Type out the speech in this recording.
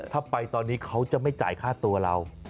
ถ้าไปตอนนี้เขาจะไม่จ่ายค่าตัวเรา